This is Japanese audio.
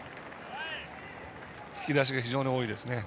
引き出しが非常に多いです。